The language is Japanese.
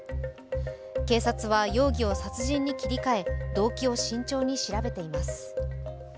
警察は容疑を殺人に切り替え、動機を慎重に調べています。